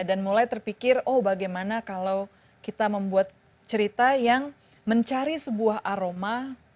dan mulai terpikir oh bagaimana kalau kita membuat cerita yang mencari sebuah aroma